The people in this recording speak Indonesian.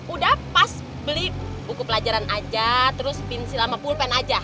udah pas beli buku pelajaran aja terus bensi lama pulpen aja